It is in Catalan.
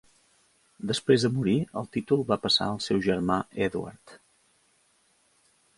Després de morir, el títol va passar al seu germà Edward.